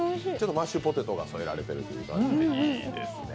マッシュポテトが添えられているという、いいですね。